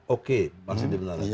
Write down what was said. oke masih di menanggapi